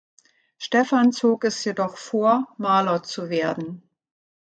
Stefan zog es jedoch vor, Maler zu werden.